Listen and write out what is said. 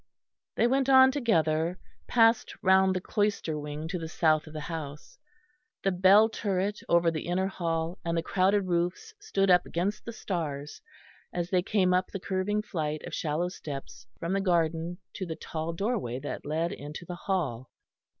They went on together, passed round the cloister wing to the south of the house: the bell turret over the inner hall and the crowded roofs stood up against the stars, as they came up the curving flight of shallow steps from the garden to the tall doorway that led into the hall.